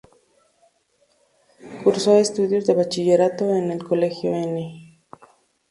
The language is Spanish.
Cursó estudios de Bachillerato en el Colegio Nª.